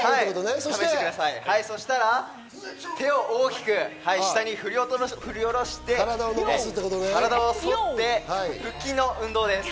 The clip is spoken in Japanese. そしたら手を大きく下に振り下ろして体をそって腹筋の運動です。